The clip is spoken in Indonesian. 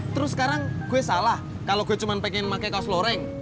terus sekarang gue salah kalau gue cuma pengen pakai kaos loreng